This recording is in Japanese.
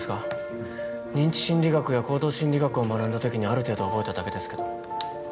う認知心理学や行動心理学を学んだときにある程度覚えただけですけど。